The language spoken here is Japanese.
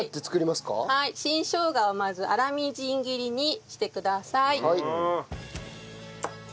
新生姜をまず粗みじん切りにしてください。